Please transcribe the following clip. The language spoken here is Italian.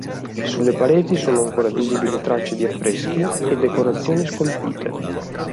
Sulle pareti sono ancora visibili tracce di affreschi e decorazioni scolpite.